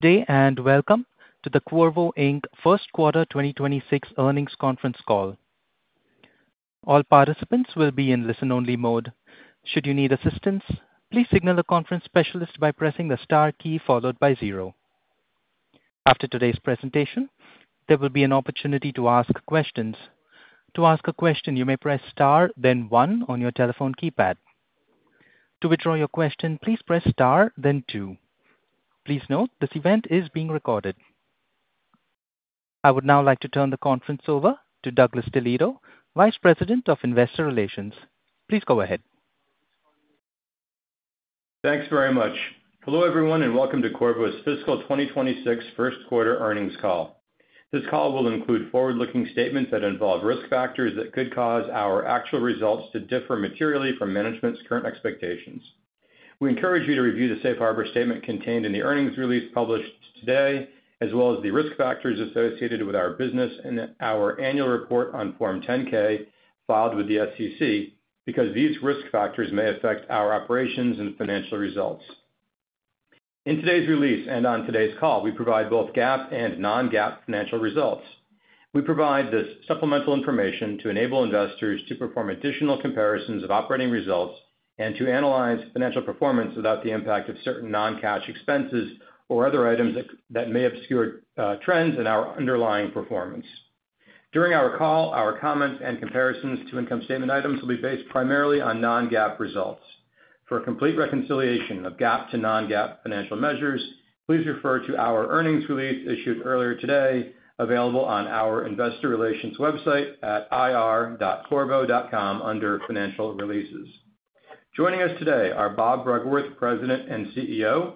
Good day and welcome to the Qorvo, Inc first quarter 2026 earnings conference call. All participants will be in listen-only mode. Should you need assistance, please signal a conference specialist by pressing the star key followed by zero. After today's presentation, there will be an opportunity to ask questions. To ask a question, you may press star then one on your telephone keypad. To withdraw your question, please press star then two. Please note this event is being recorded. I would now like to turn the conference over to Douglas DeLieto, Vice President of Investor Relations. Please go ahead. Thanks very much. Hello everyone and welcome to Qorvo's fiscal 2026 first quarter earnings call. This call will include forward-looking statements that involve risk factors that could cause our actual results to differ materially from management's current expectations. We encourage you to review the Safe Harbor statement contained in the earnings release published today as well as the risk factors associated with our business and our annual report on Form 10-K filed with the SEC because these risk factors may affect our operations and financial results. In today's release and on today's call, we provide both GAAP and non-GAAP financial results. We provide the supplemental information to enable investors to perform additional comparisons of operating results and to analyze financial performance without the impact of certain non-cash expenses or other items that may obscure trends in our underlying performance. During our call, our comments and comparisons to income statement items will be based primarily on non-GAAP results. For a complete reconciliation of GAAP to non-GAAP financial measures, please refer to our earnings release issued earlier today available on our Investor Relations website at ir.qorvo.com under financial releases. Joining us today are Bob Bruggeworth, President and CEO;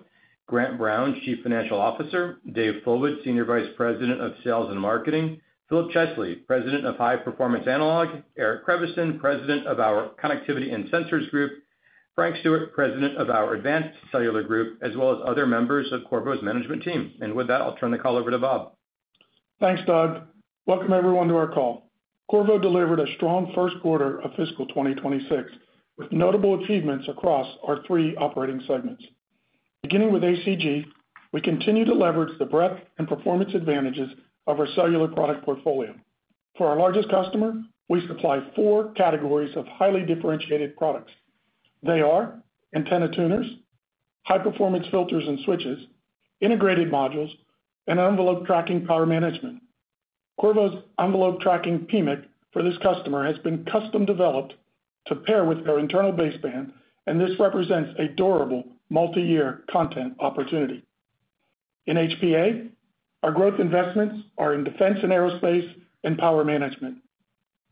Grant Brown, Chief Financial Officer; Dave Fullwood, Senior Vice President, Sales & Marketing; Philip Chesley, President, High Performance Analog; Eric Creviston, President, Connectivity & Sensors Group; Frank Stewart, President, Advanced Cellular Group; as well as other members of Qorvo's management team. With that, I'll turn the call over to Bob. Thanks, Doug. Welcome, everyone, to our call. Qorvo delivered a strong first quarter of fiscal 2026 with notable achievements across our three operating segments. Beginning with ACG, we continue to leverage the breadth and performance advantages of our cellular product portfolio for our largest customer. We supply four categories of highly differentiated products. They are antenna tuners, high performance filters and switches, integrated modules, and envelope tracking power management. Qorvo's envelope tracking PMIC for this customer has been custom developed to pair with their internal baseband, and this represents a durable multi-year content opportunity. In HPA, our growth investments are in defense and aerospace and power management.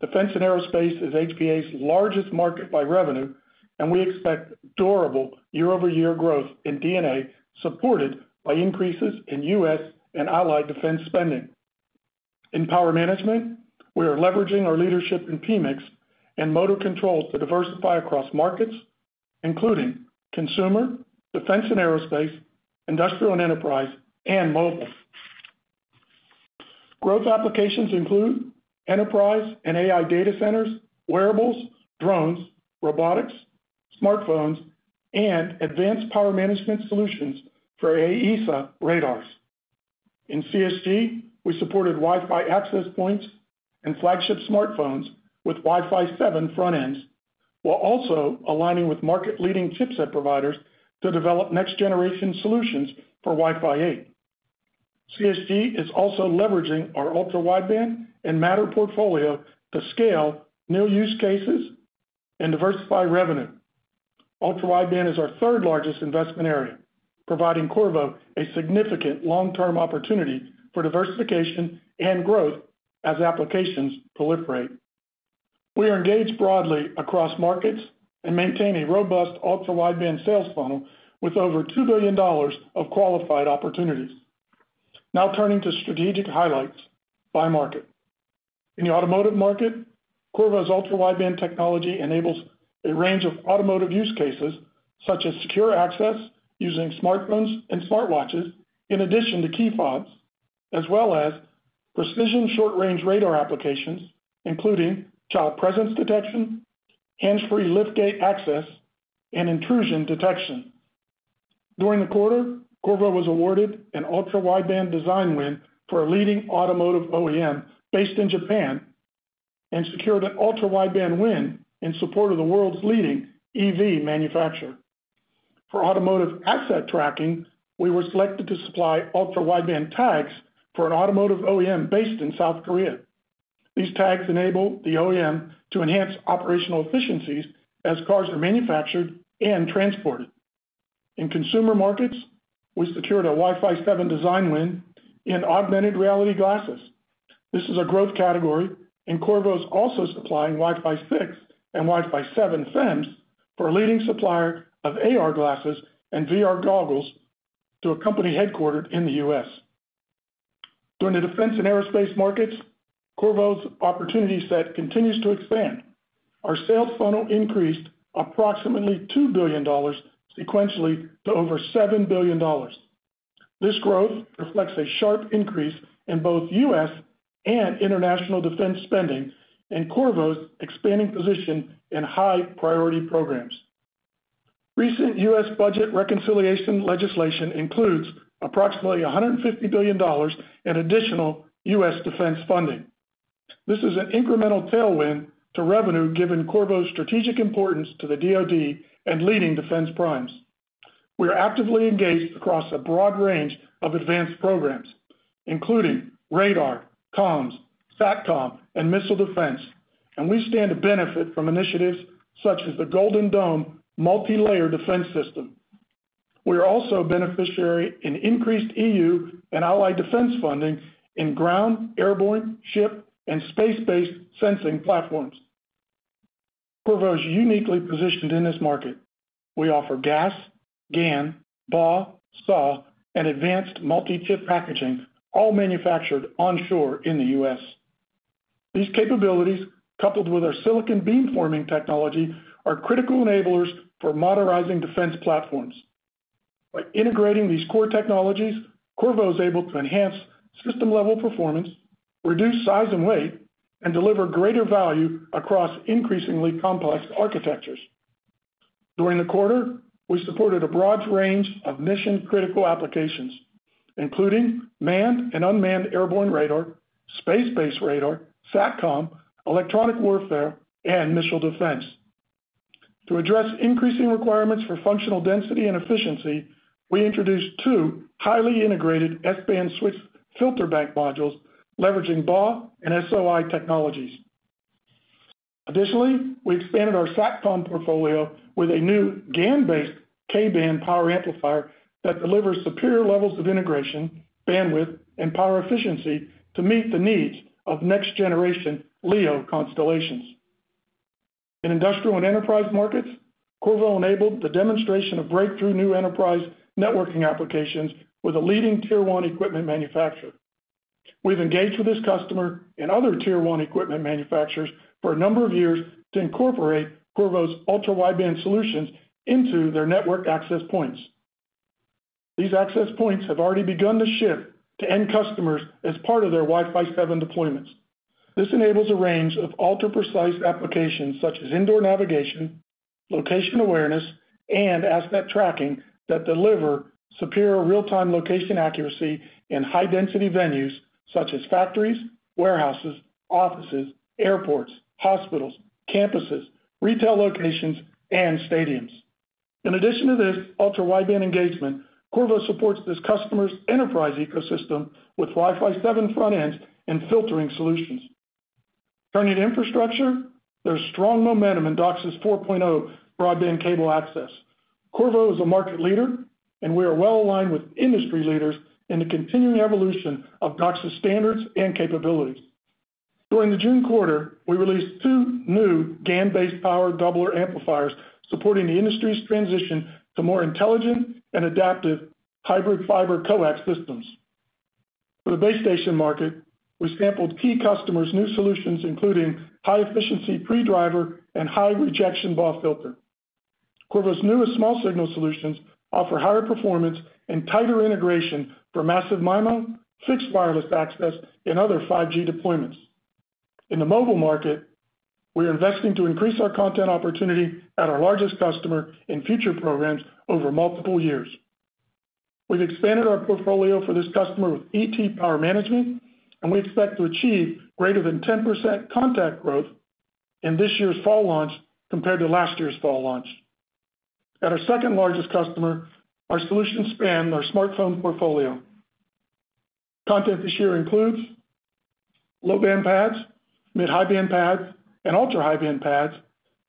Defense and aerospace is HPA's largest market by revenue, and we expect durable year-over-year growth in D&A supported by increases in U.S. and allied defense spending. In power management, we are leveraging our leadership in PMICs and motor control to diversify across markets including consumer, defense and aerospace, industrial and enterprise, and mobile. Growth applications include enterprise and AI data centers, wearables, drones, robotics, smartphones, and advanced power management solutions for AESA radars. In CSG, we supported Wi-Fi access points and flagship smartphones with Wi-Fi 7 front ends while also aligning with market leading chipset providers to develop next generation solutions for Wi-Fi 8. CSG is also leveraging our ultra-wideband and Matter portfolio to scale new use cases and diversify revenue. Ultra-wideband is our third largest investment area, providing Qorvo a significant long-term opportunity for diversification and growth as applications proliferate. We are engaged broadly across markets and maintain a robust ultra-wideband sales funnel with over $2 billion of qualified opportunities. Now turning to strategic highlights by market. In the automotive market, Qorvo's ultra-wideband technology enables a range of automotive use cases such as secure access using smartphones and smartwatches in addition to key fobs, as well as precision short range radar applications including child presence detection, hands free liftgate access, and intrusion detection. During the quarter, Qorvo was awarded an ultra-wideband design win for a leading automotive OEM based in Japan and secured an ultra-wideband win in support of the world's leading EV manufacturer. For automotive asset tracking, we were selected to supply ultra-wideband tags for an automotive OEM based in South Korea. These tags enable the OEM to enhance operational efficiencies as cars are manufactured and transported in consumer markets. We secured a Wi-Fi 7 design win in augmented reality glasses. This is a growth category and Qorvo is also supplying Wi-Fi 6 and Wi-Fi 7 FEMs for a leading supplier of AR glasses and VR goggles to a company headquartered in the U.S. During the defense and aerospace markets, Qorvo's opportunity set continues to expand. Our sales funnel increased approximately $2 billion sequentially to over $7 billion. This growth reflects a sharp increase in both U.S. and international defense spending and Qorvo's expanding position in high-priority programs. Recent U.S. budget reconciliation legislation includes approximately $150 billion in additional U.S. defense funding. This is an incremental tailwind to revenue given Qorvo's strategic importance to the DoD and leading defense primes. We are actively engaged across a broad range of advanced programs including radar, comms, SATCOM, and missile defense, and we stand to benefit from initiatives such as the Golden Dome Multi Layer Defense System. We are also a beneficiary in increased EU and allied defense funding and in ground, airborne, ship, and space-based sensing platforms. Qorvo is uniquely positioned in this market. We offer GaAs, GaN, BAW, SAW, and advanced multi-chip packaging, all manufactured onshore in the U.S. These capabilities, coupled with our silicon beamforming technology, are critical enablers for modernizing defense platforms. By integrating these core technologies, Qorvo is able to enhance system-level performance, reduce size and weight, and deliver greater value across increasingly complex architectures. During the quarter, we supported a broad range of mission-critical applications including manned and unmanned airborne radar, space-based radar, SATCOM, electronic warfare, and missile defense. To address increasing requirements for functional density and efficiency, we introduced two highly integrated S-band switch filter bank modules leveraging BAW and SOI technologies. Additionally, we expanded our SATCOM portfolio with a new GaN-based K band power amplifier that delivers superior levels of integration, bandwidth, and power efficiency to meet the needs of next generation LEO constellations. In industrial and enterprise markets, Qorvo enabled the demonstration of breakthrough new enterprise networking applications with a leading Tier 1 equipment manufacturer. We've engaged with this customer and other Tier 1 equipment manufacturers for a number of years to incorporate Qorvo's ultra-wideband solutions into their network access points. These access points have already begun to ship to end customers as part of their Wi-Fi 7 deployments. This enables a range of ultra-precise applications such as indoor navigation, location awareness, and asset tracking that deliver superior real-time location accuracy in high-density venues such as factories, warehouses, offices, airports, hospitals, campuses, retail locations, and stadiums. In addition to this ultra-wideband engagement, Qorvo supports this customer's enterprise ecosystem with Wi-Fi 7 front ends and filtering solutions. Turning to infrastructure, there's strong momentum in DOCSIS 4.0 broadband cable access. Qorvo is a market leader and we are well-aligned with industry leaders in the continuing evolution of DOCSIS standards and capabilities. During the June quarter, we released two new GaN-based power doubler amplifiers supporting the industry's transition to more intelligent and adaptive hybrid fiber coax systems. For the base station market, we sampled key customers new solutions including high efficiency pre-driver and high rejection BAW filter. Qorvo's newest small signal solutions offer higher performance and tighter integration for massive MIMO, fixed wireless access, and other 5G deployments. In the mobile market, we are investing to increase our content opportunity at our largest customer in future programs over multiple years We've expanded our portfolio for this customer with ET power management and we expect to achieve greater than 10% content growth in this year's fall launch compared to last year's fall launch. At our second largest customer, our solutions span our smartphone portfolio. Content this year includes low band PADs, mid-high band PADs, and ultra-high band PADs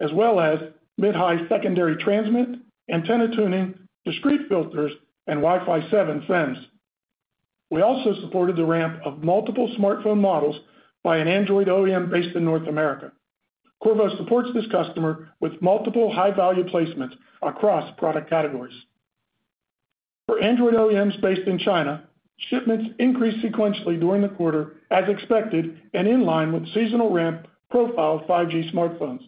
as well as mid-high secondary transmit antenna tuning, discrete filters, and Wi-Fi 7 SiPs. We also supported the ramp of multiple smartphone models by an Android OEM based in North America. Qorvo supports this customer with multiple high value placements across product categories. For Android OEMs based in China, shipments increased sequentially during the quarter as expected and in line with seasonal ramp profile 5G smartphones.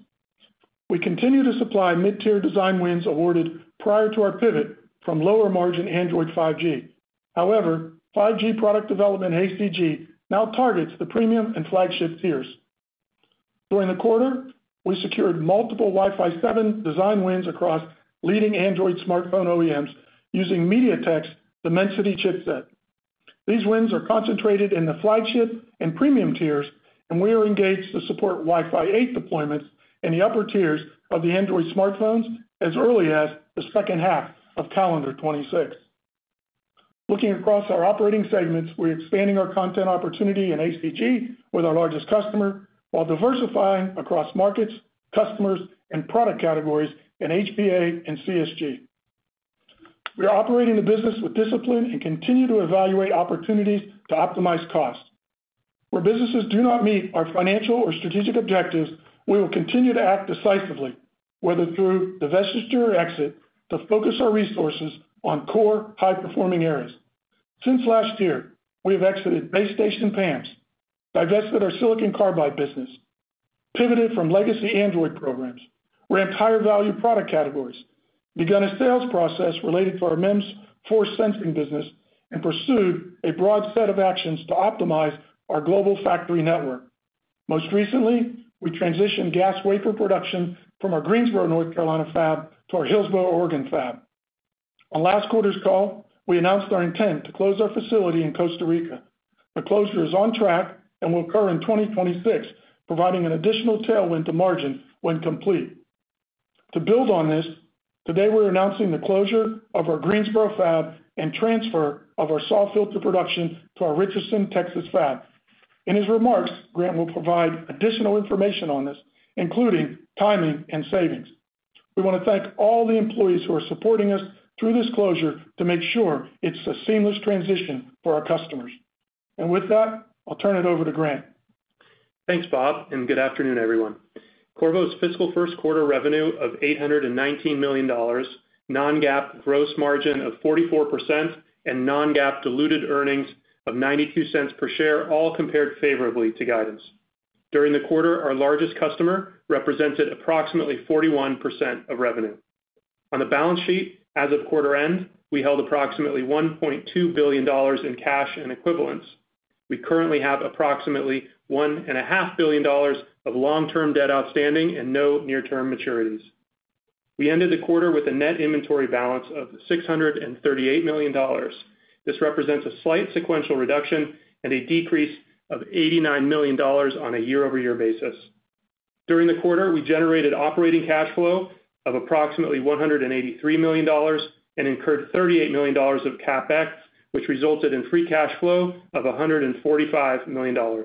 We continue to supply mid-tier design wins awarded prior to our pivot from lower margin Android 5G. However, 5G product development HDG now targets the premium and flagship tiers. During the quarter, we secured multiple Wi-Fi 7 design wins across leading Android smartphone OEMs using MediaTek's Dimensity chipset. These wins are concentrated in the flagship and premium tiers and we are engaged to support Wi-Fi 8 deployments in the upper tiers of the Android smartphones as early as the second half of calendar 2026. Looking across our operating segments, we're expanding our content opportunity in ACG with our largest customer while diversifying across markets, customers, and product categories in HPA and CSG. We are operating the business with discipline and continue to evaluate opportunities to optimize cost where businesses do not meet our financial or strategic objectives. We will continue to act decisively, whether through divestiture or exit, to focus our resources on core high performing areas. Since last year, we have exited base station PAMs, divested our Silicon Carbide business, pivoted from legacy Android programs, ramped higher value product categories, begun a sales process related to our MEMS force sensing business, and pursued a broad set of actions to optimize our global factory network. Most recently, we transitioned GaAs wafer production from our Greensboro, North Carolina fab to our Hillsboro, Oregon fab. On last quarter's call, we announced our intent to close our facility in Costa Rica. The closure is on track and will occur in 2026, providing an additional tailwind to margin when complete. To build on this, today we're announcing the closure of our Greensboro fab and transfer of our SAW filter production to our Richardson, Texas fab. In his remarks, Grant will provide additional information on this including timing and savings. We want to thank all the employees who are supporting us through this closure to make sure it's a seamless transition for our customers. With that, I'll turn it over to Grant. Thanks Bob and good afternoon everyone. Qorvo's fiscal first quarter revenue of $819 million, non-GAAP gross margin of 44%, and non-GAAP diluted earnings of $0.92 per share all compared favorably to guidance. During the quarter, our largest customer represented approximately 41% of revenue. On the balance sheet, as of quarter end, we held approximately $1.2 billion in cash and equivalents. We currently have approximately $1.5 billion of long-term debt outstanding and no near-term maturities. We ended the quarter with a net inventory balance of $638 million. This represents a slight sequential reduction and a decrease of $89 million on a year-over-year basis. During the quarter, we generated operating cash flow of approximately $183 million and incurred $38 million of CapEx, which resulted in free cash flow of $145 million.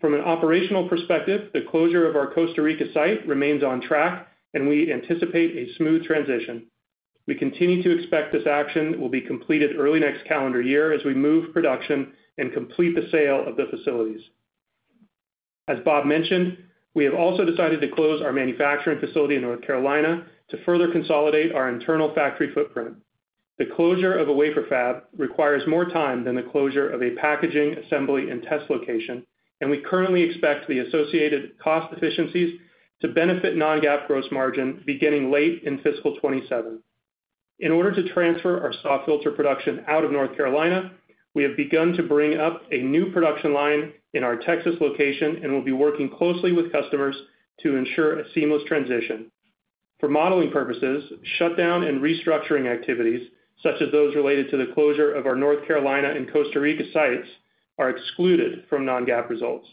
From an operational perspective, the closure of our Costa Rica site remains on track and we anticipate a smooth transition. We continue to expect this action will be completed early next calendar year as we move production and complete the sale of the facilities. As Bob mentioned, we have also decided to close our manufacturing facility in Greensboro, North Carolina to further consolidate our internal factory footprint. The closure of a wafer fab requires more time than the closure of a packaging, assembly, and test location, and we currently expect the associated cost efficiencies to benefit non-GAAP gross margin beginning late in fiscal 2027. In order to transfer our SAW filter production out of North Carolina, we have begun to bring up a new production line in our Richardson, Texas location and will be working closely with customers to ensure a seamless transition. For modeling purposes, shutdown and restructuring activities such as those related to the closure of our North Carolina and Costa Rica sites are excluded from non-GAAP results.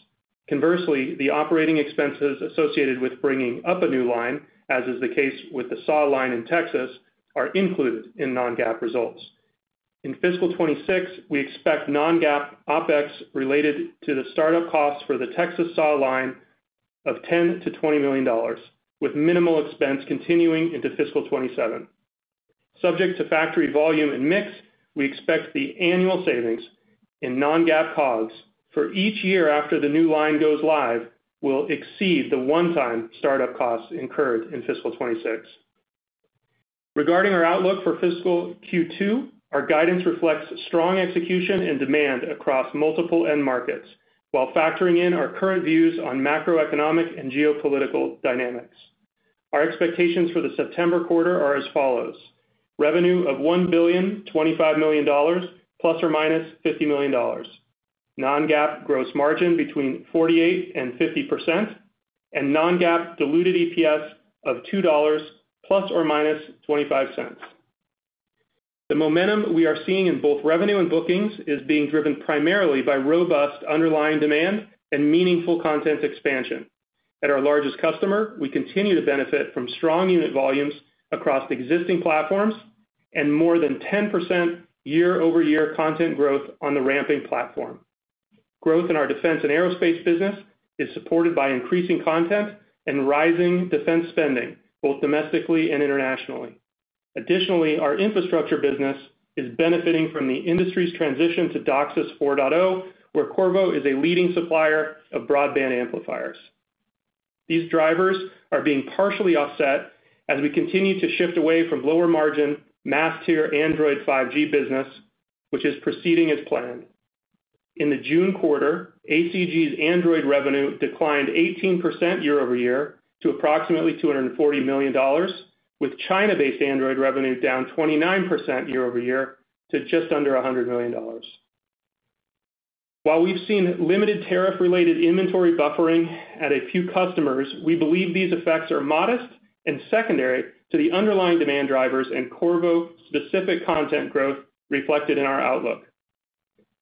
Conversely, the operating expenses associated with bringing up a new line, as is the case with the SAW line in Texas, are included in non-GAAP results. In fiscal 2026, we expect non-GAAP OpEx related to the startup costs for the Texas SAW line of $10 million-$20 million, with minimal expense continuing into fiscal 2027. Subject to factory volume and mix, we expect the annual savings in non-GAAP COGS for each year after the new line goes live will exceed the one-time startup costs incurred in fiscal 2026. Regarding our outlook for fiscal Q2, our guidance reflects strong execution and demand across multiple end markets while factoring in our current views on macroeconomic and geopolitical dynamics. Our expectations for the September quarter are as follows. Revenue of $1.025 billion ±$50 million non-GAAP gross margin between 48% and 50%, and non-GAAP diluted EPS of $2+ or ±$0.25. The momentum we are seeing in both revenue and bookings is being driven primarily by robust underlying demand and meaningful content expansion. At our largest customer, we continue to benefit from strong unit volumes across existing platforms and more than 10% year-over-year content growth on the ramping platform. Growth in our defense and aerospace business is supported by increasing content and rising defense spending both domestically and internationally. Additionally, our infrastructure business is benefiting from the industry's transition to DOCSIS 4.0, where Qorvo is a leading supplier of broadband amplifiers. These drivers are being partially offset as we continue to shift away from lower margin mass tier Android 5G business, which is proceeding as planned. In the June quarter, ACG's Android revenue declined 18% year-over-year to approximately $240 million, with China-based Android revenue down 29% year-over-year to just under $100 million. While we've seen limited tariff-related inventory buffering at a few customers, we believe these effects are modest and secondary to the underlying demand drivers and Qorvo-specific content growth reflected in our outlook.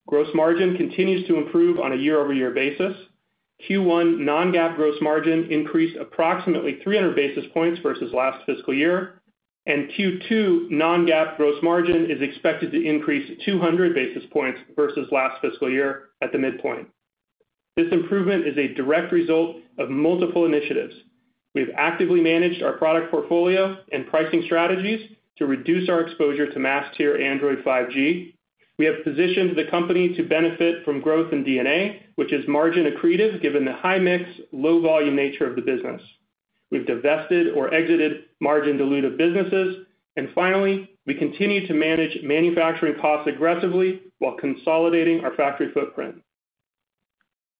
Gross margin continues to improve on a year-over-year basis. Q1 non-GAAP gross margin increased approximately 300 basis points versus last fiscal year, and Q2 non-GAAP gross margin is expected to increase 200 basis points versus last fiscal year at the midpoint. This improvement is a direct result of multiple initiatives. We have actively managed our product portfolio and pricing strategies to reduce our exposure to mass tier Android 5G. We have positioned the company to benefit from growth in D&A, which is margin accretive given the high mix, low volume nature of the business. We've divested or exited margin dilutive businesses, and finally, we continue to manage manufacturing costs aggressively while consolidating our factory footprint.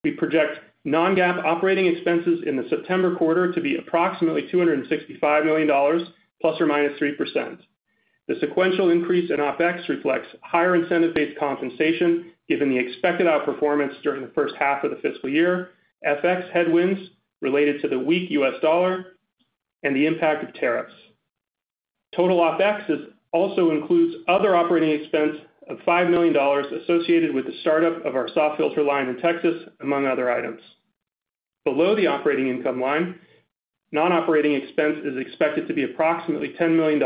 We project non-GAAP operating expenses in the September quarter to be approximately $265 million ±3%. The sequential increase in OpEx reflects higher incentive-based compensation given the expected outperformance during the first half of the fiscal year, FX headwinds related to the weak U.S. dollar, and the impact of tariffs. Total OpEx also includes other operating expense effects of $5 million associated with the startup of our SAW filter line in Texas, among other items. Below the operating income line. Non-operating expense is expected to be approximately $10 million,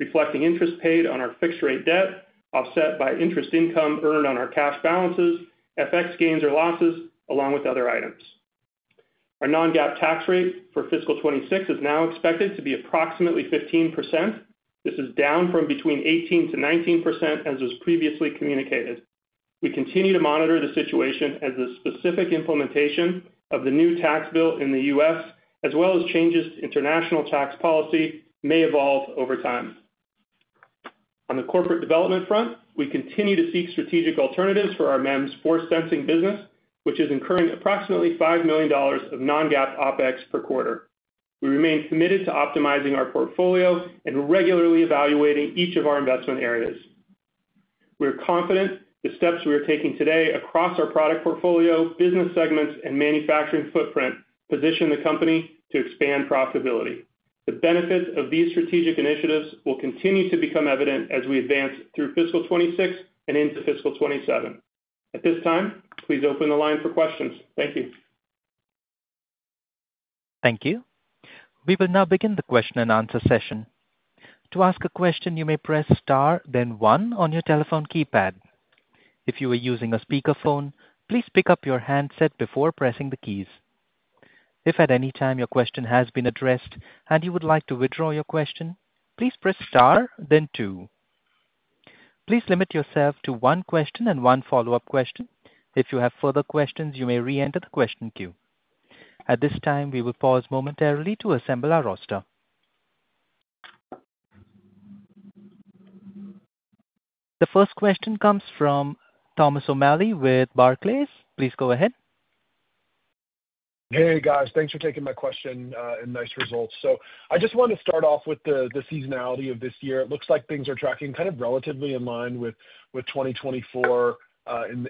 reflecting interest paid on our fixed-rate debt offset by interest income earned on our cash balances, FX gains or losses, along with other items. Our non-GAAP tax rate for fiscal 2026 is now expected to be approximately 15%. This is down from between 18%-19%, as was previously communicated. We continue to monitor the situation as the specific implementation of the new tax bill in the U.S., as well as changes to international tax policy, may evolve over time. On the corporate development front, we continue to seek strategic alternatives for our MEMS force sensing business, which is incurring approximately $5 million of non-GAAP OpEx per quarter. We remain committed to optimizing our portfolio and regularly evaluating each of our investment areas. We are confident the steps we are taking today across our product portfolio, business segments, and manufacturing footprint position the company to expand profitability. The benefits of these strategic initiatives will continue to become evident as we advance through fiscal 2026 and into fiscal 2027. At this time, please open the line for questions. Thank you. Thank you. We will now begin the question-and-answer session. To ask a question, you may press star then one on your telephone keypad. If you are using a speakerphone, please pick up your handset before pressing the keys. If at any time your question has been addressed and you would like to withdraw your question, please press star then two. Please limit yourself to one question and one follow up question. If you have further questions, you may re-enter the question queue. At this time, we will pause momentarily to assemble our roster. The first question comes from Thomas O'Malley with Barclays. Please go ahead. Hey guys, thanks for taking my question and nice results. I just want to start off with the seasonality of this year. It looks like things are tracking kind of relatively in line with 2024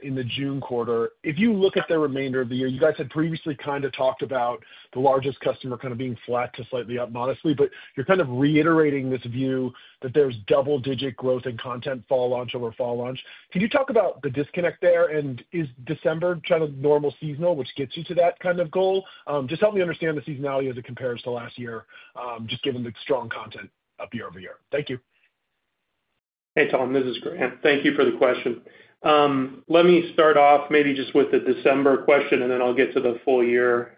in the June quarter. If you look at the remainder of the year, you guys had previously kind of talked about the largest customer kind of being flat to slightly up modestly. You're kind of reiterating this view that there's double-digit growth in content fall launch over fall launch. Can you talk about the disconnect there? Is December normal seasonal, which gets you to that kind of goal? Just help me understand the seasonality as it compares to last year, just given the strong content up year-over-year. Thank you. Hey Tom, this is Grant. Thank you for the question. Let me start off maybe just with the December question and then I'll get to the full year.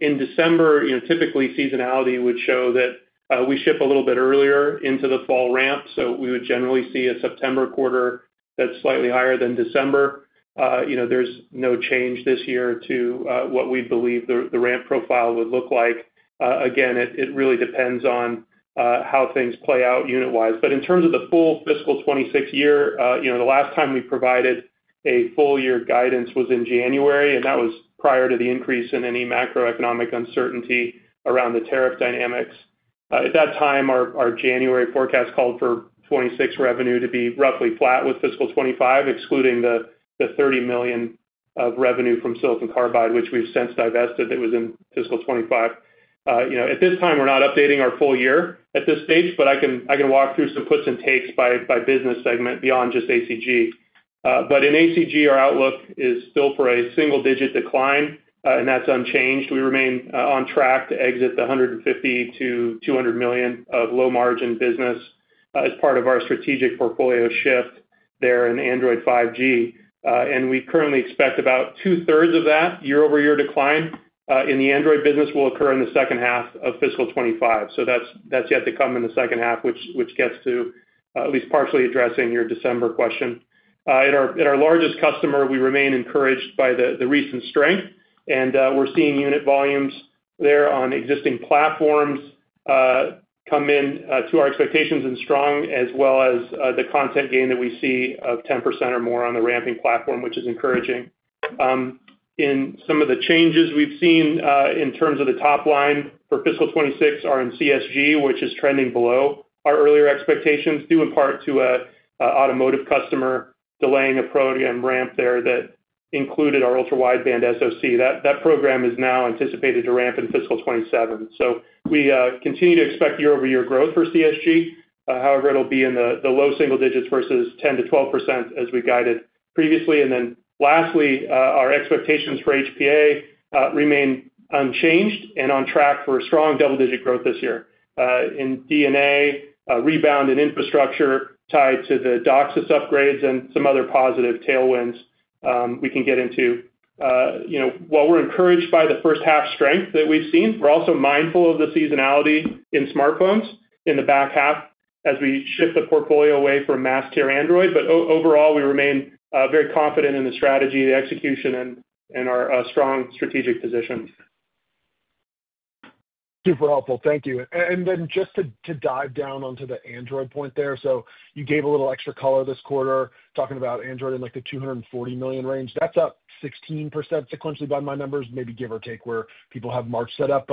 In December, typically, seasonality would show that we ship a little bit earlier into the fall ramp, so we would generally see a September quarter that's slightly higher than December. There's no change this year to what we believe the ramp profile would look like. It really depends on how things play out unit wise, but in terms of the full fiscal 2026 year, the last time we provided a full year guidance was in January, and that was prior to the increase in any macroeconomic uncertainty around the tariff dynamics. At that time, our January forecast called for 2026 revenue to be roughly flat with fiscal 2025 excluding the $30 million of revenue from Silicon Carbide, which we've since divested. That was in fiscal 2025. At this time, we're not updating our full year at this stage, but I can walk through some puts and takes by business segment beyond just ACG. In ACG, our outlook is still for a single digit decline and that's unchanged. We remain on track to exit the $150 million-$200 million of low margin business as part of our strategic portfolio shift there in Android 5G and we currently expect about 2/3 of that year-over-year decline in the Android business will occur in the second half of fiscal 2025. That's yet to come in the second half, which gets to at least partially addressing your December question. In our largest customer, we remain encouraged by the recent strength and we're seeing unit volumes there on existing platforms come in to our expectations and strong as well as the content gain that we see of 10% or more on the ramping platform, which is encouraging. Some of the changes we've seen in terms of the top line for fiscal 2026 are in CSG, which is trending below our earlier expectations due in part to an automotive customer delaying a program ramp there that included our ultra-wideband SoC. That program is now anticipated to ramp in fiscal 2027, so we continue to expect year-over-year growth for CSG. However, it'll be in the low single digits versus 10%-12% as we guided previously. Lastly, our expectations for HPA remain unchanged and on track for strong double-digit growth this year. In D&A, rebound in infrastructure tied to the DOCSIS upgrades and some other positive tailwinds we can get into. While we're encouraged by the first half strength that we've seen, we're also mindful of the seasonality in smartphones in the back half as we shift the portfolio away from master Android. Overall, we remain very confident in the strategy, the execution, and our strong strategic position. Super helpful, thank you. Just to dive down onto the Android point there, you gave a little extra color this quarter, talking about Android in the $240 million range. That's up 16% sequentially by my numbers, maybe give or take where people have March set up.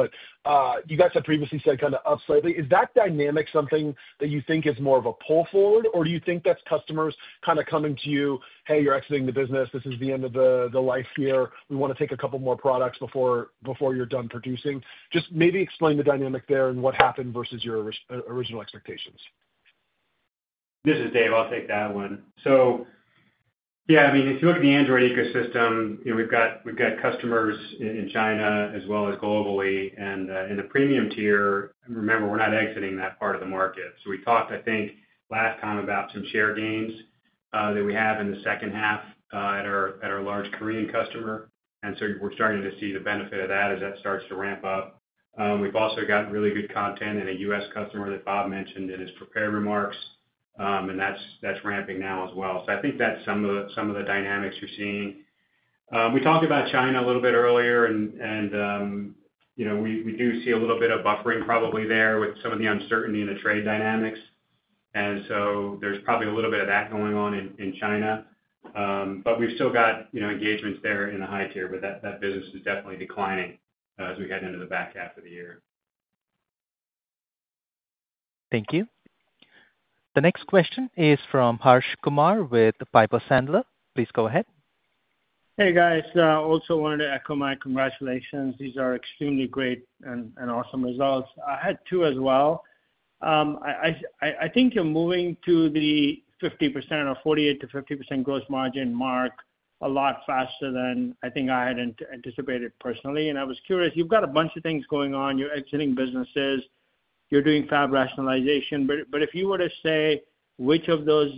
You guys have previously said kind of up slightly. Is that dynamic something that you think is it more of a pull forward? Do you think that's customers kind of coming to you, hey, you're exiting the business, this is the end of the life here? We want to take a couple more products before you're done producing. Just maybe explain the dynamic there and what happened versus your original expectations. This is Dave. I'll take that one. Yeah, I mean if you look at the Android ecosystem, we've got customers in China as well as globally and in the premium tier. Remember we're not exiting that part of the market. We talked, I think last time, about some share gains that we have in the second half at our large Korean customer, and we're starting to see the benefit of that as that starts to ramp up. We've also got really good content in a U.S. customer that Bob mentioned in his prepared remarks, and that's ramping now as well. I think that's some of the dynamics you're seeing. We talked about China a little bit earlier, and we do see a little bit of buffering probably there with some of the uncertainty in the trade dynamics. There's probably a little bit of that going on in China, but we've still got engagements there in the high tier. That business is definitely declining as we head into the back half of the year. Thank you. The next question is from Harsh Kumar with Piper Sandler. Please go ahead. Hey guys. Also wanted to echo my congratulations. These are extremely great and awesome results. I had two as well. I think you're moving to the 50% or 48%-50% gross margin mark a lot faster than I think I had anticipated personally, and I was curious. You've got a bunch of things going on. You're exiting businesses, you're doing fab rationalization. If you were to say which of those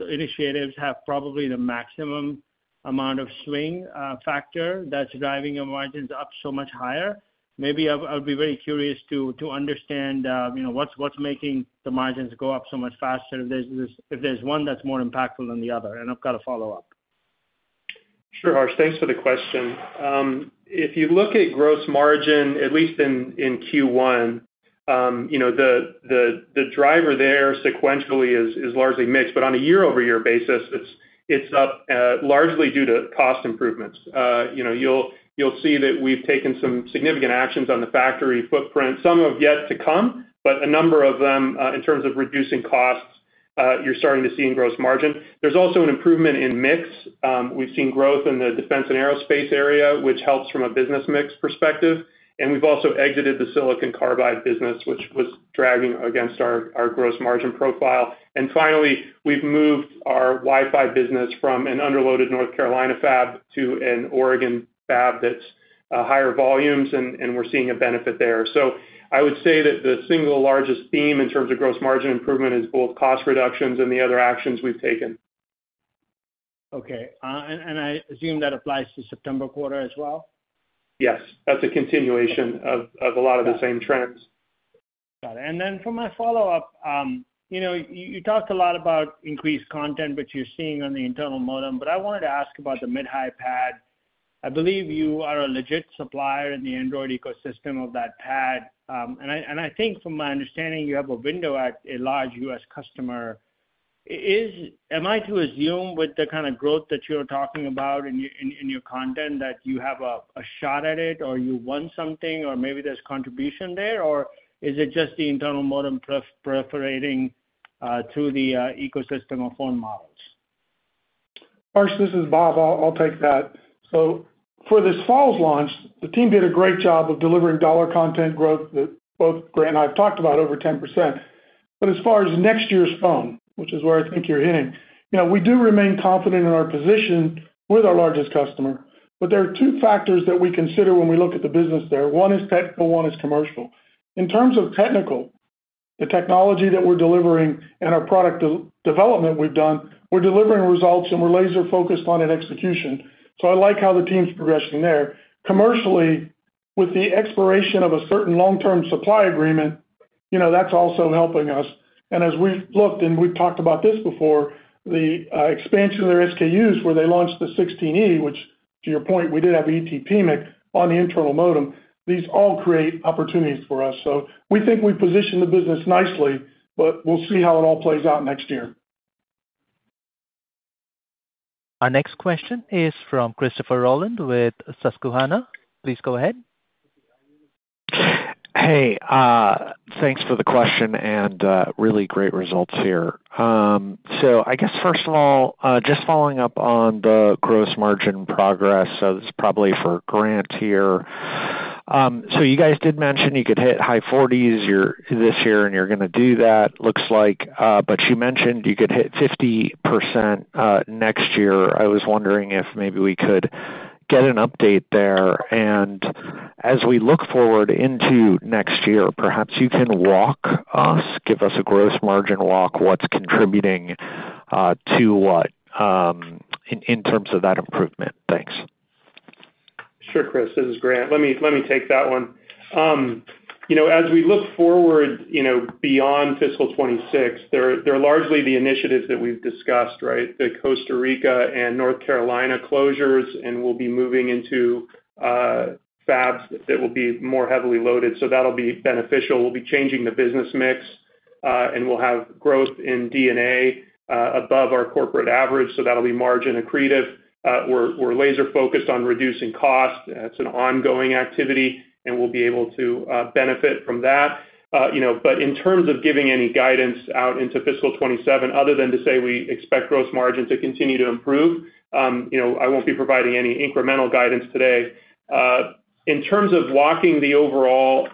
initiatives have probably the maximum amount of swing factor that's driving your margins up so much higher, maybe I'll be very curious to understand what's making the margins go up so much faster. If there's one that's more impactful than the other. I have a follow up. Sure. Harsh, thanks for the question. If you look at gross margin at least in Q1, the driver there sequentially is largely mix, but on a year-over-year basis it's up largely due to cost improvements. You'll see that we've taken some significant actions on the factory footprint. Some have yet to come, but a number of them in terms of reducing costs, you're starting to see in gross margin. There's also an improvement in mix. We've seen growth in the defense and aerospace area, which helps from a business mix perspective. We've also exited the Silicon Carbide business, which was dragging against our gross margin profile. Finally, we've moved our Wi-Fi business from an underloaded North Carolina fab to an Oregon fab. That's higher volumes and we're seeing a benefit there. I would say that the single largest theme in terms of gross margin improvement is both cost reductions and the other actions we've taken. Okay, and I assume that applies to September quarter as well. Yes, that's a continuation of a lot of the same trends. Got it. For my follow-up, you talked a lot about increased content which you're seeing on the internal modem. I wanted to ask about the mid high PAD. I believe you are a legit supplier in the Android ecosystem of that pad, and I think from my understanding you have a window at a large U.S. customer. Am I to assume with the kind of growth that you're talking about in your content that you have a shot at it or you won something or maybe there's contribution there, or is it just the internal modem perforating through the ecosystem of phone models? Harsh, this is Bob. I'll take that. For this fall's launch, the team did a great job of delivering dollar content growth that both Grant and I have talked about, over 10%. As far as next year's phone. Which is where I think you're hitting. We do remain confident in our position with our largest customer. There are two factors that we consider when we look at the business there. One is technical, one is commercial. In terms of technical, the technology that we're delivering and our product development we've done, we're delivering results and we're laser focused on execution. I like how the team's progressing there. Commercially, with the expiration of a certain long-term supply agreement, that's also helping us. As we looked, and we've talked about this before, the expansion of their SKUs where they launched the 16e, which to your point, we did have ET PMIC on the internal modem, these all create opportunities for us. We think we position the business nicely. We'll see how it all plays out next year. Our next question is from Christopher Roland with Susquehanna. Please go ahead. Hey, thanks for the question and really great results here. I guess first of all just following up on the gross margin progress. It's probably for Grant here. You guys did mention you could hit high 40% this year and you're going to do that it looks like. You mentioned you could hit 50% next year. I was wondering if maybe we could get an update there and as we look forward into next year, perhaps you can walk us, give us a gross margin walk. What's contributing to what in terms of that improvement. Thanks. Sure. Chris, this is Grant. Let me take that one. As we look forward beyond fiscal 2026, they're largely the initiatives that we've discussed, the Costa Rica and North Carolina closures, and we'll be moving into fabs that will be more heavily loaded. That'll be beneficial. We'll be changing the business mix, and we'll have growth in D&A above our corporate average. That'll be margin accretive. We're laser-focused on reducing cost. It's an ongoing activity, and we'll be able to benefit from that. In terms of giving any guidance out into fiscal 2027, other than to say we expect gross margin to continue to improve, I won't be providing any incremental guidance today. In terms of walking the overall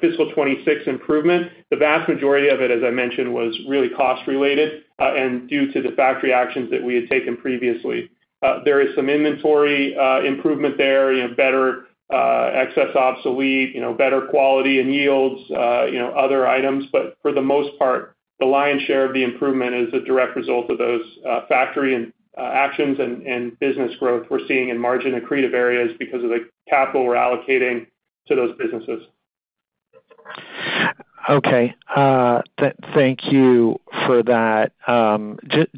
fiscal 2026 improvement. The vast majority of it, as I mentioned, was really cost related and due to the factory actions that we had taken previously. There is some inventory improvement there, better excess, obsolete, better quality and yields, other items. For the most part, the lion's share of the improvement is a direct result of those factory actions and business growth we're seeing in margin accretive areas because of the capital we're allocating to those businesses. Okay, thank you for that.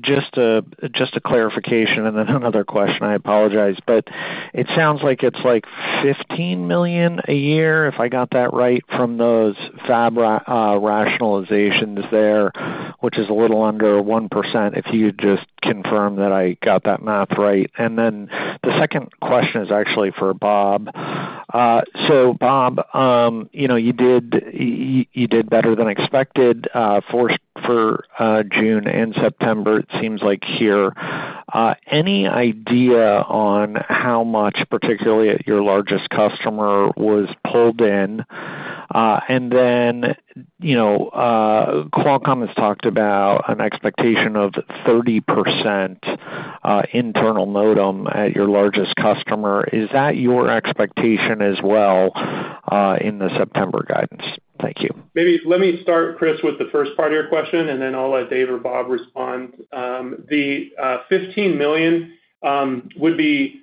Just a clarification and then another question. I apologize, but it sounds like it's like $15 million a year if I got that right from those fab rationalizations there, which is a little under 1% if you just confirm that I got that math right. The second question is actually for Bob. So Bob, you did better than expected for June and September. It seems like here any idea on how much particularly at your largest customer was pulled in? You know, Qualcomm has talked about an expectation of 30% internal modem at your largest customer. Is that your expectation as well in the September guidance? Thank you. Maybe let me start, Chris, with the first part of your question and then I'll let Dave or Bob respond. The $15 million would be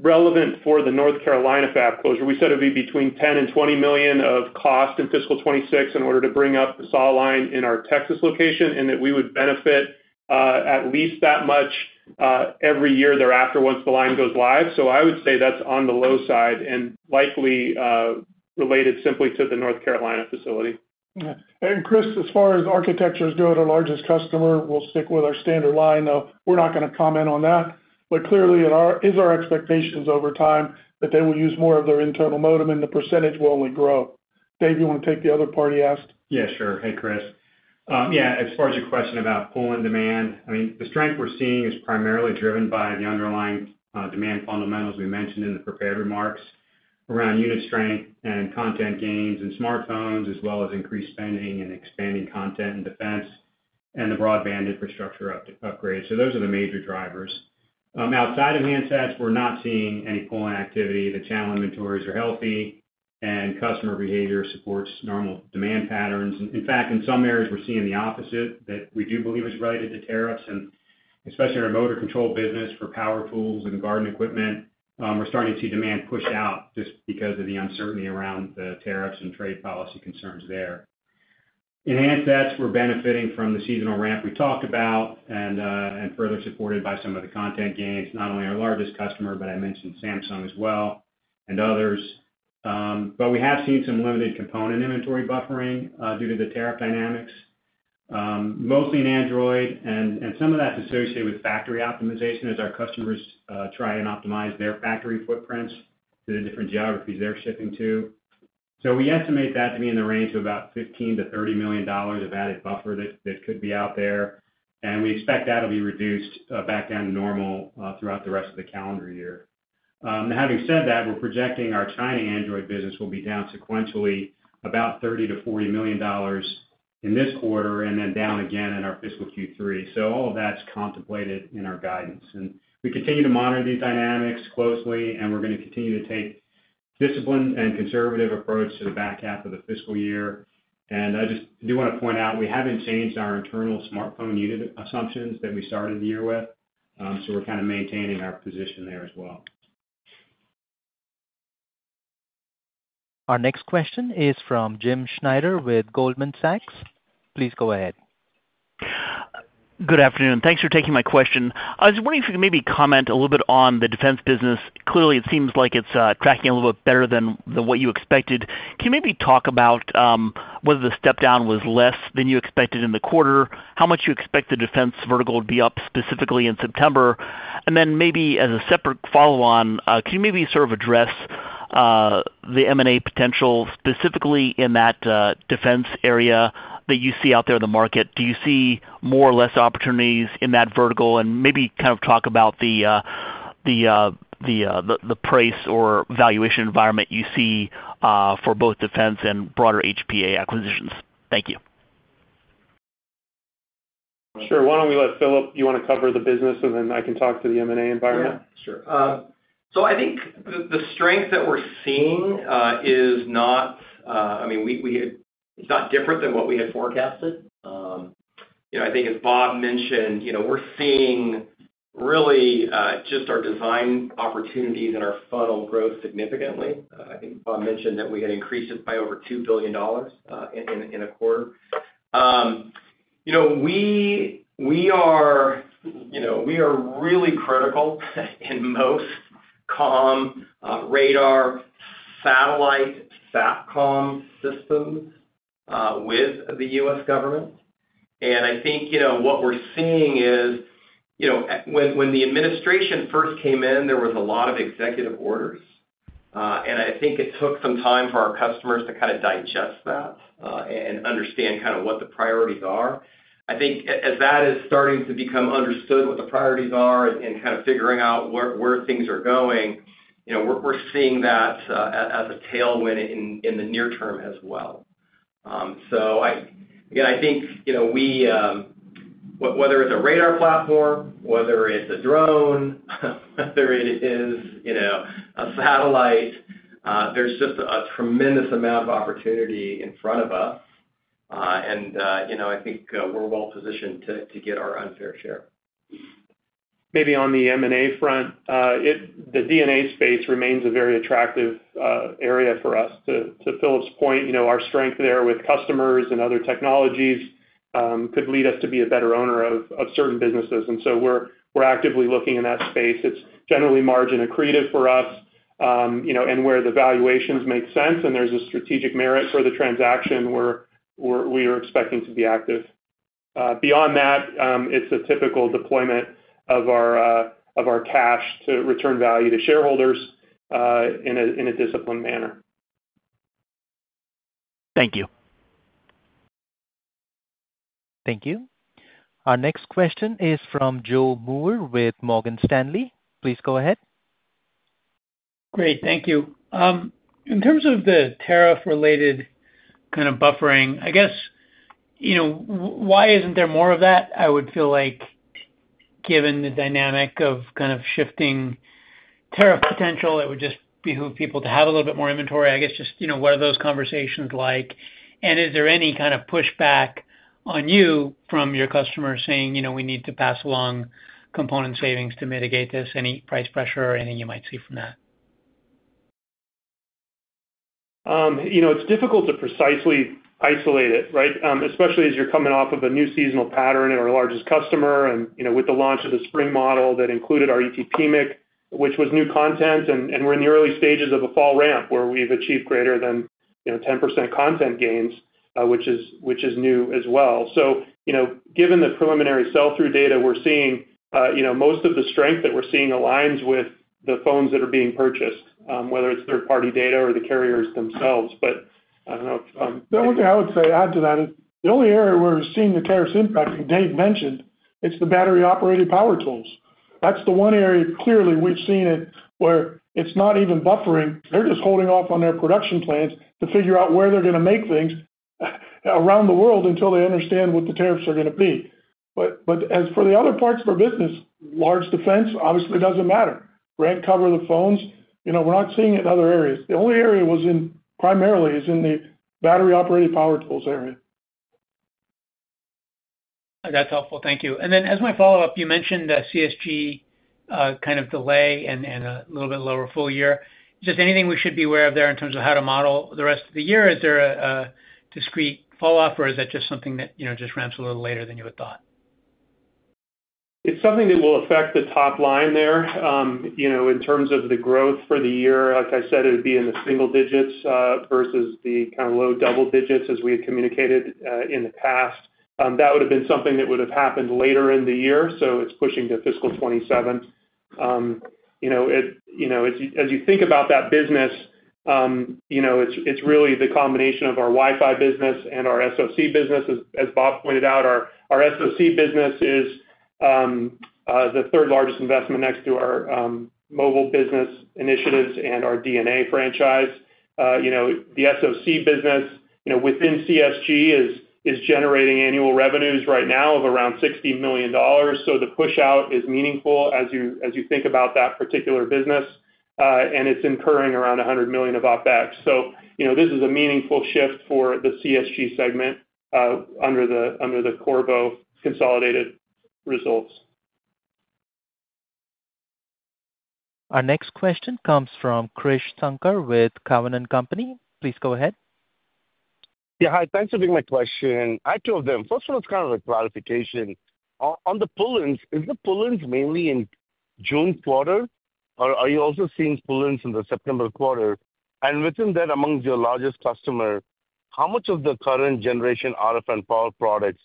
relevant for the North Carolina FAB closure. We said it would be between $10 million and $20 million of cost in fiscal 2026 in order to bring up the SAW line in our Texas location, and that we would benefit at least that much every year thereafter once the line goes live. I would say that's on the low side and likely related simply to the North Carolina facility. Chris, as far as architectures go to largest customer, we'll stick with our standard line though we're not going to comment on that. Clearly, it is our expectation over time that they will use more of their internal modem and the percentage will only grow. Dave, you want to take the other part of the ask? Yeah, sure. Hey Chris. Yeah? As far as your question about pulling demand, the strength we're seeing is primarily driven by the underlying demand fundamentals we mentioned in the prepared remarks around unit strength and content gains in smartphones, as well as increased spending and expanding content in defense and the broadband infrastructure upgrade. Those are the major drivers. Outside of handsets, we're not seeing any pulling activity. The channel inventories are healthy and customer behavior supports normal demand patterns. In fact, in some areas we're seeing the opposite that we do believe is related to tariffs and especially our motor control business for power tools and garden equipment. We're starting to see demand push out just because of the uncertainty around the tariffs and trade policy concerns there. That's where we're benefiting from the seasonal ramp we talked about and further supported by some of the content gains. Not only our largest customer, but I mentioned Samsung as well and others. We have seen some limited component inventory buffering due to the tariff dynamics, mostly in Android, and some of that's associated with factory optimization as our customers try and optimize their factory footprints to the different geographies they're shipping to. We estimate that to be in the range of about $15 million-$30 million of added buffer that could be out there and we expect that will be reduced back down to normal throughout the rest of the calendar year. Having said that, we're projecting our China Android business will be down sequentially about $30 million-$40 million in this quarter and then down again in our fiscal Q3. All of that's contemplated in our guidance and we continue to monitor these dynamics closely and we're going to continue to take a disciplined and conservative approach to the back half of the fiscal year. I just do want to point out we haven't changed our internal smartphone unit assumptions that we started the year with. We're kind of maintaining our position there as well. Our next question is from Jim Schneider with Goldman Sachs. Please go ahead. Good afternoon. Thanks for taking my question. I was wondering if you could maybe comment a little bit on the defense business. Clearly it seems like it's tracking a little bit better than what you expected. Can you maybe talk about whether the step down was less than you expected in the quarter, how much you expect the defense vertical to be up specifically in September, and then maybe as a separate follow on, can you maybe sort of address the M&A potential specifically in that defense area that you see out there in the market? Do you see more or less opportunities in that vertical and maybe talk about the price or valuation environment you see for both defense and broader HPA acquisitions? Thank you. Sure. Why don't we let Philip, you want to cover the business, and then I can talk to the M&A environment? Sure. I think the strength that we're seeing is not, I mean, it's not different than what we had forecasted. I think as Bob mentioned, we're seeing really just our design opportunities and our funnel grow significantly. I think Bob mentioned that we had increased it by over $2 billion in a quarter. You know. We are really critical in most comm, radar, satellite, SATCOM systems with the U.S. government. I think what we're seeing is when the administration first came in, there was a lot of executive orders. I think it took some time for our customers to kind of digest that and understand kind of what the priorities are. I think as that is starting to become understood, what the priorities are and kind of figuring out where things are going, we're seeing that as a tailwind in the near term as well. I think, whether it's a Radar platform, whether it's a drone or a satellite, there's just a tremendous amount of opportunity in front of us. I think we're well-positioned to get our unfair share. Maybe on the M&A front. The D&A space remains a very attractive area for us. To Philip's point, our strength there with customers and other technology could lead us to be a better owner of certain businesses. We are actively looking in that space. It's generally margin accretive for us, and where the valuations make sense and there's a strategic merit for the transaction, we are expecting to be active. Beyond that, it's a typical deployment of our cash to return value to shareholders in a disciplined manner. Thank you. Thank you. Our next question is from Joe Moore with Morgan Stanley. Please go ahead. Great, thank you.In terms of the tariff-related kind of buffering, I guess, you know, why isn't there more of that? I would feel like given the dynamic of kind of shifting tariff potential, it would just behoove people to have a little bit more inventory, I guess. Just what are those conversations like? Is there any kind of pushback on you from your customers saying we need to pass along component savings to mitigate this, any price pressure or anything you might see from that? It's difficult to precisely isolate it, especially as you're coming off of a new seasonal pattern at our largest customer and with the launch of the spring model that included our ET PMIC, which was new content, and we're in the early stages of a fall ramp where we've achieved greater than 10% content gains, which is new as well. Given the preliminary sell-through data, we're seeing most of the strength that we're seeing aligns with the phones that are being purchased, whether it's third-party data or the carriers themselves. I don't know if the only thing I would say add to that is the only area where we've seen the tariffs impact, and Dave mentioned it's the battery operated power tools. That's the one area clearly we've seen it, where it's not even buffering. They're just holding off on their production plans to figure out where they're going to make things around the world until they understand what the tariffs are going to be. As for the other parts of our business, large defense obviously doesn't matter. Rent, cover the phones, you know, we're not seeing it in other areas. The only area was in primarily is in the battery-operated power tools area. That's helpful, thank you. As my follow up, you. Mentioned CSG kind of delay and a little bit lower full year. Is there anything we should be aware of there in terms of how to model the rest of the year? Is there a discrete fall off or is that just something that just ramps a little later than you had thought? It's something that will affect the top line there in terms of the growth for the year. Like I said, it would be in the single digits versus the kind of low double-digits. As we had communicated in the past, that would have been something that would have happened later in the year. It's pushing to fiscal 2027. As you think about that business, it's really the combination of our Wi-Fi business and our SoC business as Bob Bruggeworth pointed out, our SoC business is the third largest investment next to our mobile business initiatives and our D&A franchise. The SoC business within CSG is generating annual revenues right now of around $60 million. The push out is meaningful as you think about that particular business. It's incurring around $100 million of OpEx. This is a meaningful shift for the CSG segment under the Qorvo consolidated results. Our next question comes from Krish Sankar with Cowen and Company. Please go ahead. Yeah, hi, thanks for bringing my question. I have two of them. First of all, it's kind of a clarification on the pull ins. Is the pull-ins mainly in June? Are you also seeing pull ins in the September quarter? Within that, among your largest customer, how much of the current generation RF and power products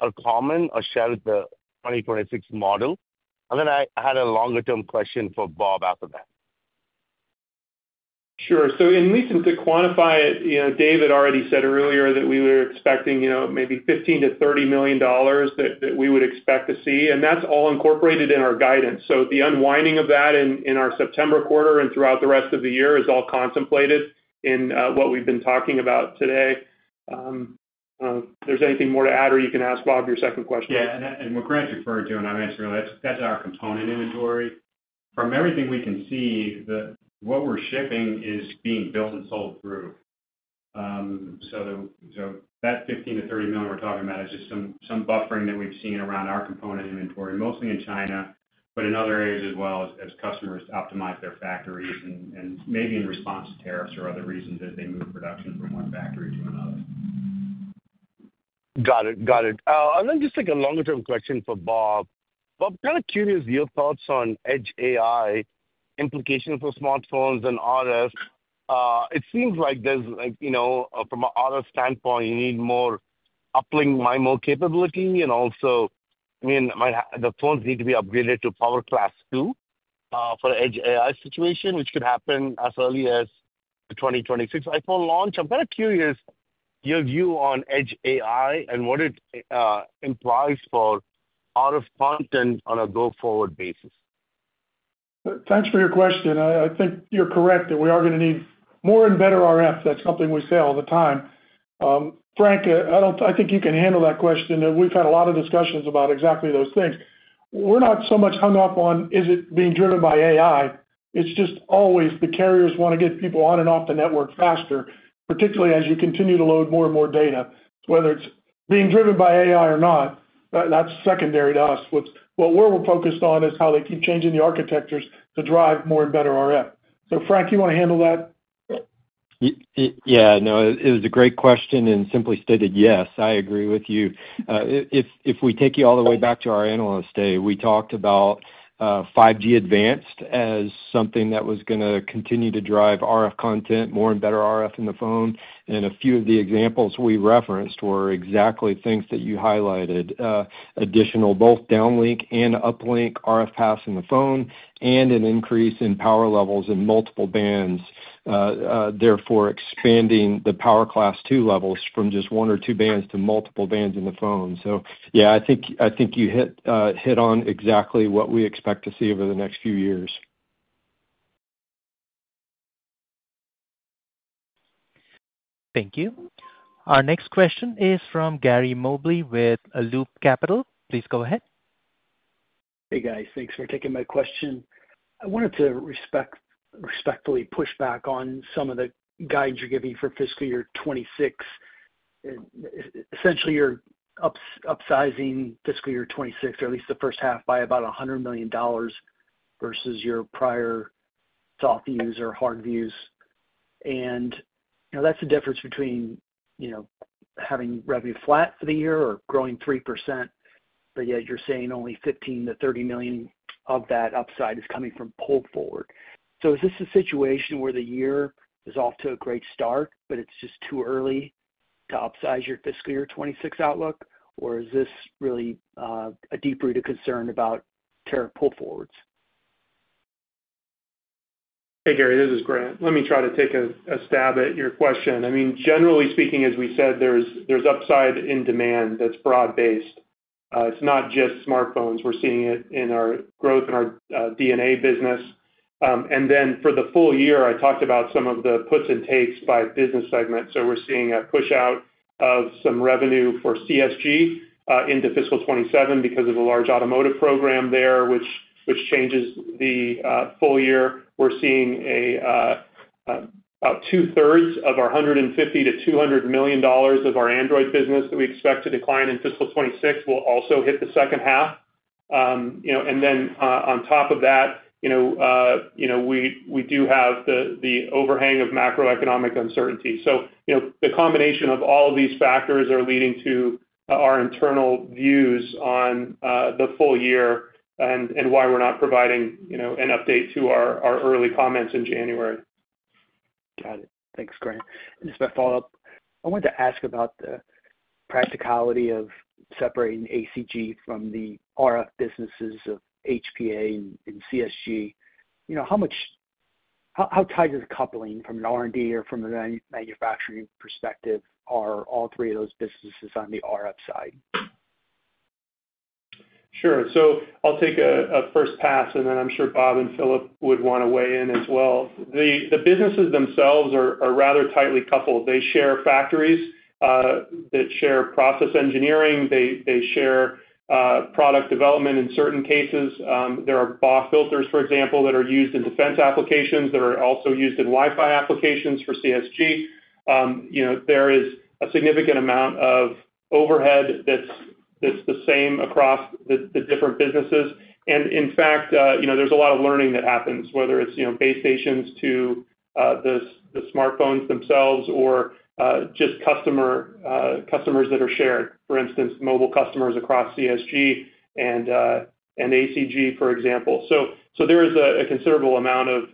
are common or shared with the 2026 model? I had a longer-term question for Bob after that. Sure. In recent to quantify it, David already said earlier that we were expecting maybe $15 million-$30 million that we would expect to see, and that's all incorporated in our guidance. The unwinding of that in our September quarter and throughout the rest of the year is all contemplated in what we've been talking about today. If there's anything more to add, or you can ask Bob your second question. Yeah. What Grant referred to and I mentioned earlier, that's our component inventory. From everything we can see, what we're shipping is being built and sold through. That $15 million-$30 million we're talking about is just some buffering that we've seen around our component inventory, mostly in China, but in other areas as well as customers optimize their factories and maybe in response to tariffs or other reasons as they move production from one factory to another. Got it, got it. Just a longer term question for Bob. Bob, kind of curious your thoughts on Edge AI implications for smartphones and RF. It seems like there's, from an auto standpoint, you need more uplink MIMO capability and also the phones need to be upgraded to Power Class 2 for Edge AI situation. Which could happen as early as 2026 iPhone launch. I'm very curious your view on Edge AI and what it implies for RF content on a go forward basis. Thanks for your question. I think you're correct that we are going to need more and better RF. That's something we say all the time. Frank, I think you can handle that question. We've had a lot of discussions about exactly those things. We're not so much hung up on is it being driven by AI. It's just always the carriers want to get people on and off the network. Faster, particularly as you continue to load more and more data. Whether it's being driven by AI or not, that's secondary to us. What we're focused on is how they keep changing the architectures to drive more and better RF. Frank, you want to handle that? Yeah, no, it was a great question, and simply stated, yes, I agree with you. If we take you all the way back to our analyst day, we talked about 5G Advanced as something that was going to continue to drive RF content more and better RF in the phone. A few of the examples we referenced were exactly things that you highlighted: additional both downlink and uplink RF paths in the phone and an increase in power levels in multiple bands, therefore expanding the Power Class 2 levels from just one or two bands to multiple bands in the phone. I think you hit on exactly what we expect to see over. The next few years. Thank you. Our next question is from Gary Mobley with Loop Capital. Please go ahead. Hey guys, thanks for taking my question. I wanted to respectfully push back on some of the guidance you're giving for fiscal year 2026. Essentially, you're upsizing fiscal year 2026, or at least the first half, by about $100 million versus your prior soft views or hard views. That's the difference between having revenue flat for the year or growing 3%. Yet you're saying only $15 million-$30 million of that upside is coming from pull forward. Is this a situation where the year is off to a great start, but it's just too early to upsize your fiscal year 2026 outlook? Is this really a deep rooted concern about tariff pull forwards? Hey, Gary, this is Grant. Let me try to take a stab at your question. I mean, generally speaking, as we said, there's upside in demand that's broad-based. It's not just smartphones. We're seeing it in our growth in our D&A business. For the full year I talked about some of the puts and takes by business segment. We're seeing a push out of some revenue for CSG into fiscal 2027 because of a large automotive program there, which changes the full year. We're seeing about two thirds of our $150 million-$200 million of our Android business that we expect to decline in fiscal 2026 will also hit the second half. On top of that, we do have the overhang of macroeconomic uncertainty. The combination of all of these factors are leading to our internal views on the full year and why we're not providing an update to our early comments in January. Got it. Thanks, Grant. Just my follow-up. I wanted to ask about the practicality of separating ACG from the RF businesses of HPA and CSG. You know, how much, how tight is coupling from an R&D or from a manufacturing perspective? Are all three of those businesses on the R&D side? Sure. I'll take a first pass and then I'm sure Bob and Philip would want to weigh in as well. The businesses themselves are rather tightly coupled. They share factories, they share process engineering, they share product development. In certain cases, there are BAW filters, for example, that are used in defense applications that are also used in Wi-Fi applications. For CSG, there is a significant amount of overhead that's the same across the different businesses and in fact there's a lot of learning that happens, whether it's base stations to the smartphones themselves or just customers that are shared, for instance mobile customers across CSG and ACG, for example. There is a considerable amount of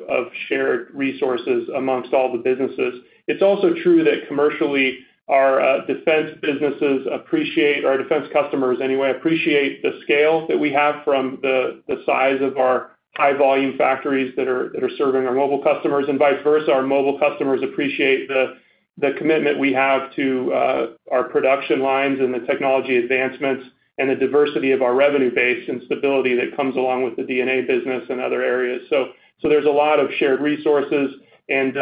shared resources amongst all the businesses. It's also true that commercially our defense businesses appreciate, our defense customers anyway appreciate, the scale that we have from the size of our high volume factories that are serving our mobile customers and vice versa. Our mobile customers appreciate the commitment we have to our production lines and the technology advancements and the diversity of our revenue base and stability that comes along with the D&A business and other areas. There is a lot of shared resources and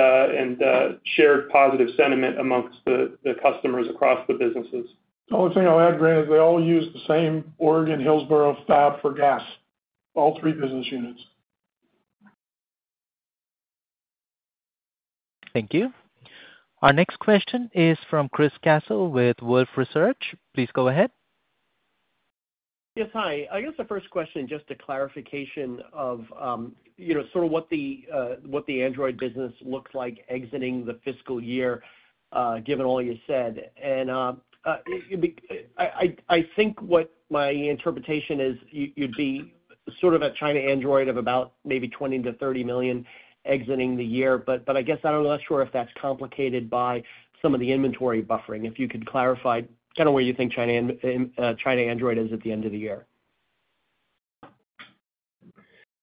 shared positive sentiment amongst the customers across the businesses. The only thing I'll add, Grant, is they all use the same Oregon Hillsboro fab for GaAs. All three business units. Thank you. Our next question is from Chris Caso with Wolfe Research. Please go ahead. Yes, hi.I guess the first question, just a clarification of sort of what the Android business looks like exiting the fiscal year given all you said. I think what my interpretation is, you'd be sort of at China Android of about $20 million-$30 million exiting the year, but I guess I'm not sure if that's complicated by some of the inventory buffering. If you could clarify kind of where you think China Android is at the end of the year.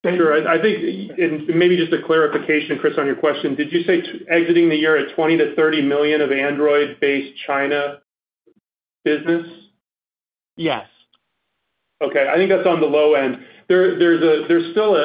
Sure, I think maybe just a clarification, Chris, on your question. Did you say exiting the year at $20 million-$30 million of Android-based China business? Yes. Okay, I think that's on the low end. There's still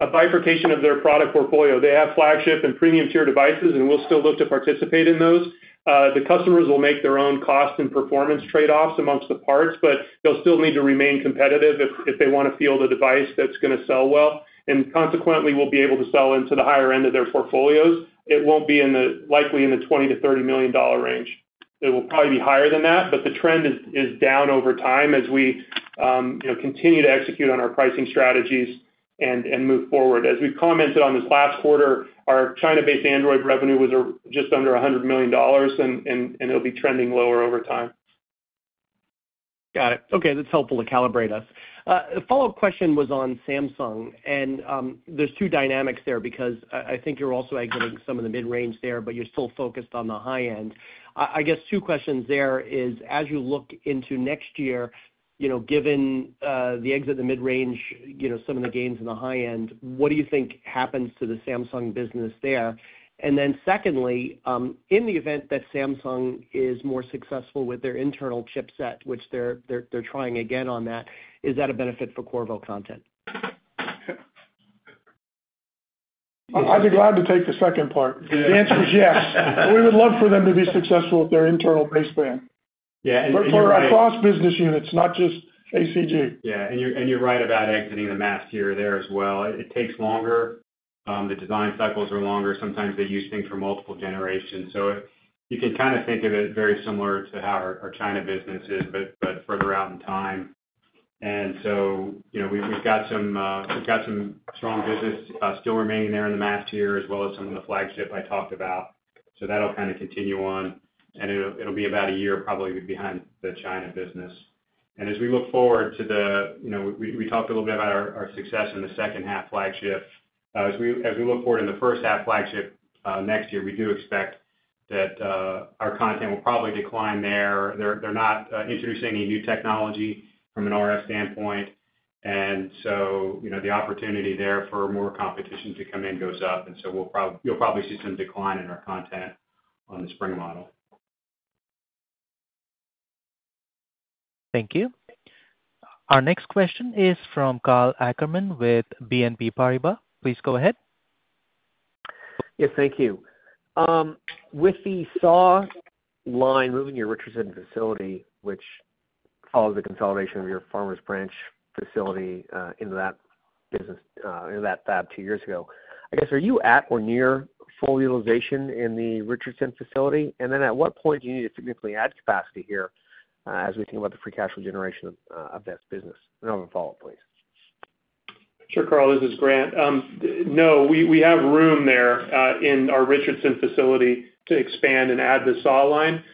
a bifurcation of their product portfolio. They have flagship and premium tier devices, and we'll still look to participate in those. The customers will make their own cost and performance trade-offs amongst the parts, but they'll still need to remain competitive if they want to field a device that's going to sell well, and consequently we'll be able to sell into the higher end of their portfolios. It won't be likely in the $20 million-$30 million range. It will probably be higher than that, but the trend is down over time as we continue to execute on our pricing strategies and move forward. As we commented on this last quarter, our China-based Android revenue was just under $100 million, and it will be trending lower over time. Got it. Okay, that's helpful to calibrate us. The follow up question was on Samsung and there's two dynamics there because I think you're also exiting some of the mid range there, but you're still the high end. I guess, two questions there. As you look into next year, given the exit the mid range, some of the gains in the high end, what do you think happens to the Samsung business there? Secondly, in the event that Samsung is more successful with their internal chipset, which they're trying again on that, is that a benefit for Qorvo content? I'd be glad to take the second part. The answer is yes, we would love for them to be successful with their internal baseband for across business units, not just ACG. Yeah, and you're right about exiting the mass tier there as well. It takes longer, the design cycles are longer. Sometimes they use things for multiple generations. You can kind of think of it very similar to how our China business is but further out in time. We've got some strong business still remaining there in the mass tier as well as some of the flagship I talked about. That'll kind of continue on, and it'll be about a year probably behind the China business. As we look forward to the, you know, we talked a little bit about our success in the second half flagship. As we look forward in the first half flagship next year, we do expect that our content will probably decline there. They're not introducing any new technology from an RF standpoint, and the opportunity there for more competition to come in goes up, so you'll probably see some decline in our content on the spring model. Thank you. Our next question is from Karl Ackerman with BNP Paribas. Please go ahead. Yes, thank you. With the SAW line, moving your Richardson facility, which follows the consolidation of your Farmers Branch facility into that business, into that fab two years ago, I guess. Are you at or near full utilization in the Richardson facility, and then at what point do you need to significantly add capacity here as we think about the free cash flow generation of this business? Another follow-up, please. Sure. Karl, this is Grant. No, we have room there in our Richardson facility to expand and add the SAW line.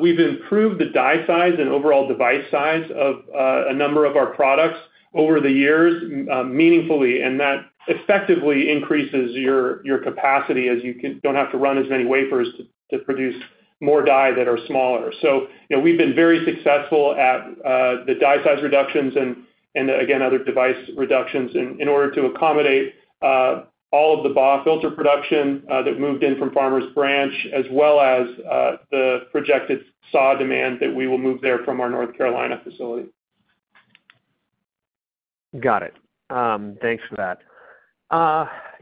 We've improved the die size and overall device size of a number of our products over the years meaningfully, and that effectively increases your capacity as you don't have to run as many wafers to produce more die that are smaller. We've been very successful at the die size reductions and, again, other device reductions in order to accommodate all of the BAW filter production that moved in from Farmers Branch as well as the projected SAW demand that we will move there from our North Carolina facility. Got it. Thanks for that.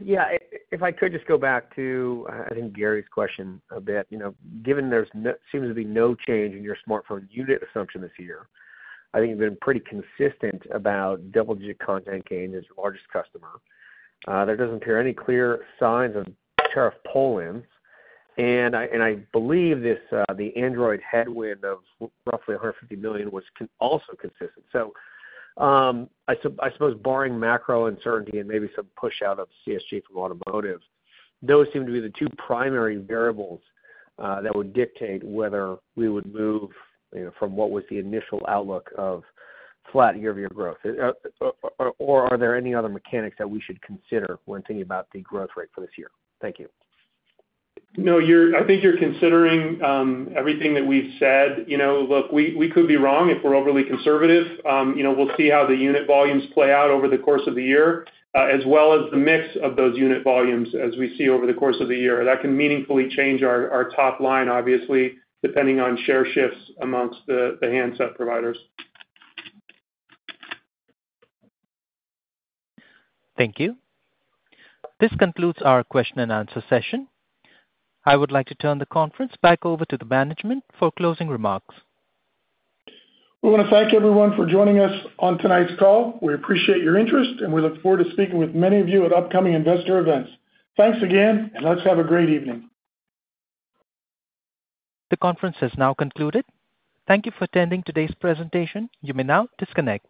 Yeah. If I could just go back to. I think Gary's question a bit. Given there seems to be no change in your smartphone unit assumption this year, I think you've been pretty consistent about double-digit content gain as the largest customer. There doesn't appear any clear signs of tariff pull-ins and I believe the Android headwind of roughly $150 million was also consistent. I suppose barring macro uncertainty and maybe some push out of CSG from automotive, those seem to be the two primary variables that would dictate whether we would move from what was the initial outlook of flat year-over-year growth or are there any other mechanics that we should consider when thinking about the growth rate for this year? Thank you. No, I think you're considering everything that we've said. You know, look, we could be wrong if we're overly conservative. We'll see how the unit volumes play out over the course of the year as well as the mix of those unit volumes as we see over the course of the year. That can meaningfully change our top line, obviously depending on share shifts amongst the handset providers. Thank you. This concludes our question-and-answer session. I would like to turn the conference back over to the management for closing remarks. We want to thank everyone for joining us on tonight's call. We appreciate your interest, and we look forward to speaking with many of you at upcoming investor events. Thanks again, and let's have a great evening. The conference has now concluded. Thank you for attending today's presentation. You may now disconnect.